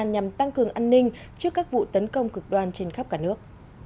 nhằm tăng cường an ninh trước các vụ tấn công cực đoan trên khắp cả nước